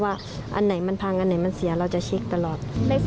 อันไหนมันพังอันไหนมันเสียเราจะเช็คตลอด